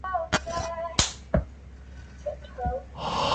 有些国家会限制其公民移民出境至其他国家。